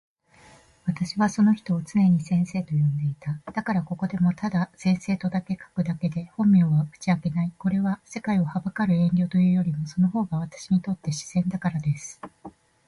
私はその人を常に先生と呼んでいた。だからここでもただ先生と書くだけで本名は打ち明けない。これは、世界を憚る遠慮というよりも、その方が私にとって自然だからです。